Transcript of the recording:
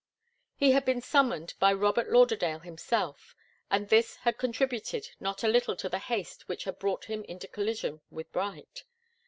He had been summoned by Robert Lauderdale himself, and this had contributed not a little to the haste which had brought him into collision with Bright.